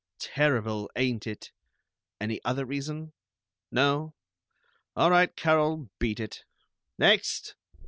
"Terrible, ain't it? Any other reason? No? All right, Carol, beat it. Next!